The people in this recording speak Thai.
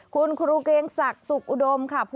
คุณครูเกงศักดิ์สุขอุดมค่ะ